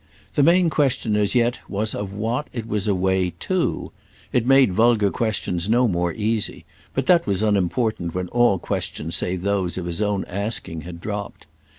The main question as yet was of what it was a way to. It made vulgar questions no more easy; but that was unimportant when all questions save those of his own asking had dropped.